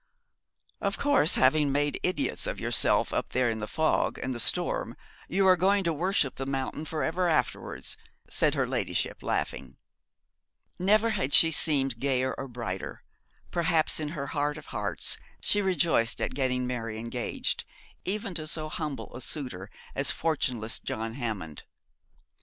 'Of course having made idiots of yourselves up there in the fog and the storm you are going to worship the mountain for ever afterwards,' said her ladyship laughing. Never had she seemed gayer or brighter. Perhaps in her heart of hearts she rejoiced at getting Mary engaged, even to so humble a suitor as fortuneless John Hammond.